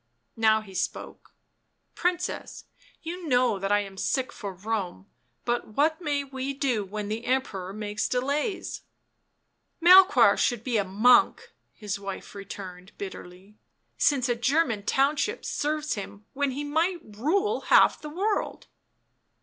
How he spoke. " Princess, you know that I am sick for Rome, but what may we do when the Emperor makes delays ?"" Melchoir should be a monk," his wife returned bitterly, " since a German township serves him when he might rule half the world."